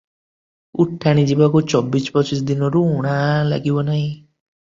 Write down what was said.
ଉଠାଣି ଯିବାକୁ ଚବିଶ ପଚିଶ ଦିନରୁ ଉଣା ଲାଗିବ ନାହିଁ ।